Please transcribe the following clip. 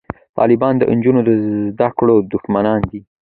طالبان د نجونو د زده کړو دښمنان دي